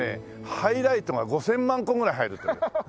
ハイライトが５０００万個ぐらい入るという。